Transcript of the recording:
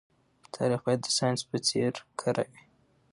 تاريخ بايد د ساينس په څېر کره وي.